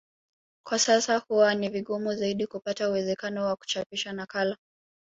Kwa sasa huwa ni vigumu zaidi kupata uwezekano wa kuchapisha nakala